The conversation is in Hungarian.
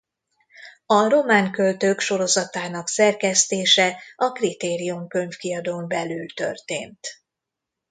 A Román Költők sorozatának szerkesztése a Kriterion Könyvkiadón belül történt.